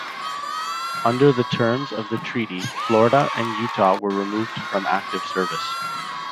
Under the terms of the treaty, "Florida" and "Utah" were removed from active service.